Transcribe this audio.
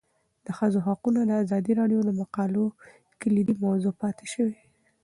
د ښځو حقونه د ازادي راډیو د مقالو کلیدي موضوع پاتې شوی.